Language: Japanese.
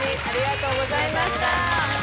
ありがとうございます。